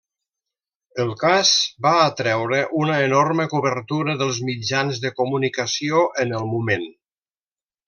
El cas va atreure una enorme cobertura dels mitjans de comunicació en el moment.